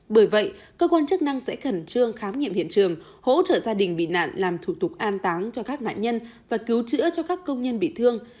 bởi vậy cơ quan chức năng sẽ khẩn trương khám nghiệm hiện trường hỗ trợ gia đình bị nạn làm thủ tục an táng cho các nạn nhân và cứu chữa cho các công nhân bị thương